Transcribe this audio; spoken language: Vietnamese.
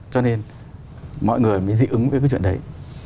cho nên mọi người mới dị ứng với cái chuyện đấy